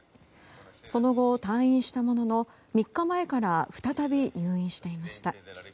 その後、退院したものの３日前から再び入院していました。